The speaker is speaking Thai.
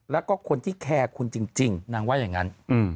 แล้วก็คนที่แคร์คุณจริงนางว่าอย่างนั้น